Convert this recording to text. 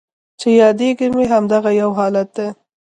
چې یادیږي مې همدغه یو حالت دی